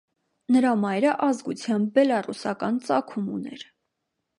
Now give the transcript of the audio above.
Նրա մայրը ազգությամբ բելառուսական ծագում ուներ։